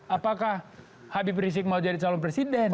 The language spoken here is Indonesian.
apakah habib rizik mau jadi calon presiden